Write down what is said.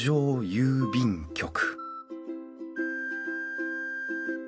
郵便局！？